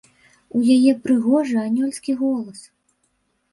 У яе прыгожы анёльскі голас!